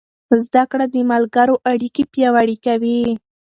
زده کړه د ملګرو اړیکې پیاوړې کوي.